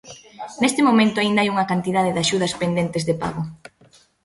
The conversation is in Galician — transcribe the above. Neste momento aínda hai unha cantidade de axudas pendentes de pago.